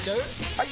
・はい！